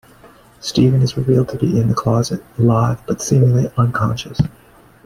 Stephen is revealed to be in the closet, alive but seemingly unconscious.